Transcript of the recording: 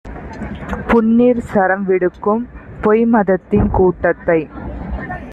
புண்ணிற் சரம்விடுக்கும் பொய்மதத்தின் கூட்டத்தைக்